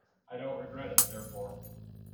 I don't regret it therefore.